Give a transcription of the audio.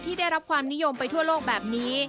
ได้รับความนิยมไปทั่วโลกแบบนี้